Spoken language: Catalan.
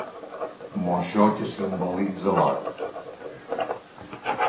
Moixó que simbolitza l'or.